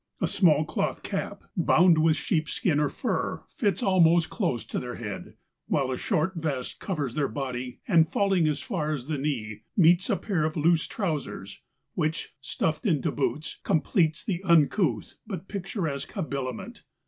A small cloth cap, bound with sheepskin or 180 MOUNTAIN ADVENTURES. fur, fits almost close to their head; while a short vest covers their body, and, falling as far as the knee, meets a pair of loose trousers, which, stuffed into boots, completes the uncouth but picturesque habili¬ ment.